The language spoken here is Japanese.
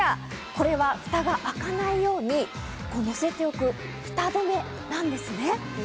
これはフタが開かないように乗せておく、フタ止めなんですね。